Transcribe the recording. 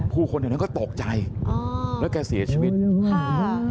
คนแถวนั้นก็ตกใจอ๋อแล้วแกเสียชีวิตค่ะ